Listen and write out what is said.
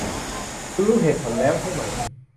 คุณรู้เหตุผลแล้วใช่ไหม